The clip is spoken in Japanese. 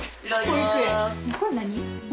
これ何？